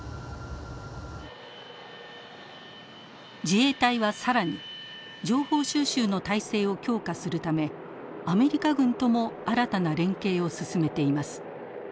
自衛隊は更に情報収集の態勢を強化するためアメリカ軍とも新たな連携を進めています。